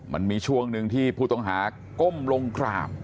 มันมีช่วงหนึ่งที่ผู้ต้องหาก้มลงกราบ